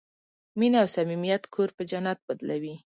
مینه او صمیمیت کور په جنت بدلوي.